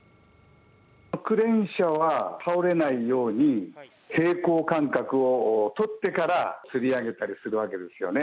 クレーン車は倒れないように平衡感覚をとってからつり上げたりするわけですよね。